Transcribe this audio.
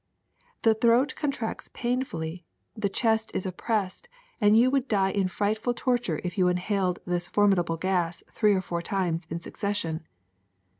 The throat contracts painfully, the chest is oppressed, and you would die in frightful torture if you inhaled this formidable gas three or four times in succession.